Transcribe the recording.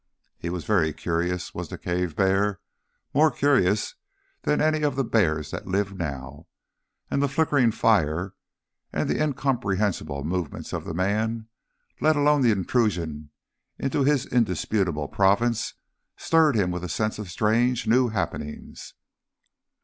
He was very curious, was the cave bear, more curious than any of the bears that live now, and the flickering fire and the incomprehensible movements of the man, let alone the intrusion into his indisputable province, stirred him with a sense of strange new happenings.